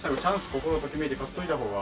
心ときめいて』買っておいた方が。